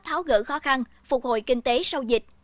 tháo gỡ khó khăn phục hồi kinh tế sau dịch